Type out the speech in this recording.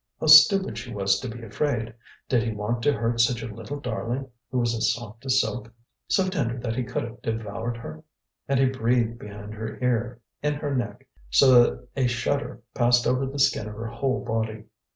How stupid she was to be afraid! Did he want to hurt such a little darling, who was as soft as silk, so tender that he could have devoured her? And he breathed behind her ear, in her neck, so that a shudder passed over the skin of her whole body.